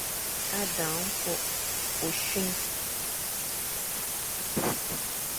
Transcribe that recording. A dang nkok, ochuin.